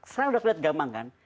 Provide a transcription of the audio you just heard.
saya udah liat gampang kan